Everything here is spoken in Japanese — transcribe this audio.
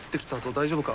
大丈夫か？